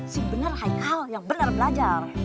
si benar hal yang benar belajar